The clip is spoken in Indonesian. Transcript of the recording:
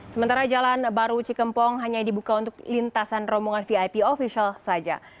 sementara jalan baru cikempong hanya dibuka untuk lintasan rombongan vip official saja